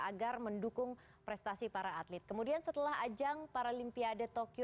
agar mendukung prestasi para atlet kemudian setelah ajang paralimpiade tokyo dua ribu dua puluh